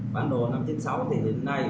bản đồ năm trăm chín mươi sáu thì hiện nay